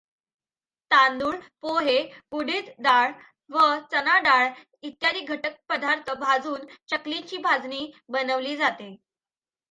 तांदूळ, पोहे, उडीद डाळ व चणाडाळ इत्यादी घटकपदार्थ भाजून चकलीची भाजणी बनवली जाते.